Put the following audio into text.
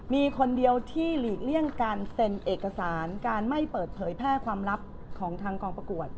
มีคนเดียวที่หลีกเลี่ยงการเซ็นเอกสารการไม่เปิดเผยแพร่ความลับของทางกองประกวด